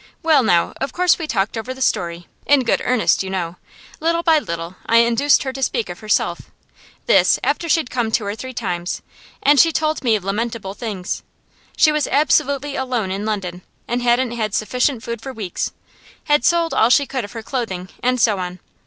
Well, now, of course we talked over the story in good earnest, you know. Little by little I induced her to speak of herself this, after she'd come two or three times and she told me lamentable things. She was absolutely alone in London, and hadn't had sufficient food for weeks; had sold all she could of her clothing; and so on.